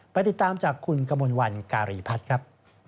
ติดตามจากคุณกมลวันการีพัฒน์ครับ